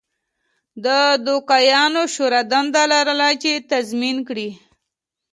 د دوکیانو شورا دنده لرله چې تضمین کړي